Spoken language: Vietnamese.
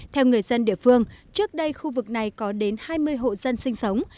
theo người dân địa phương trước đây khu vực này có đến hai mươi hộ dân sinh sống